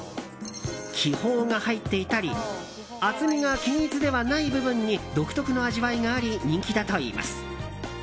気泡が入っていたり厚みが均一ではない部分に独特の味わいがあり人気だといいます。